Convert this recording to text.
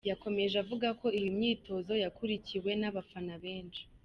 Yakomeje avuga ko iyi myitozo yakurikiwe n’abafana benshi.